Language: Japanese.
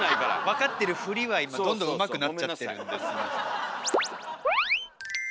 分かってるフリは今どんどんうまくなっちゃってるんですいません。